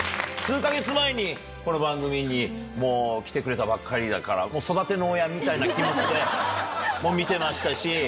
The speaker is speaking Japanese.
数か月前に、この番組に来てくれたばっかりだから、育ての親みたいな気持ちで、見てましたし。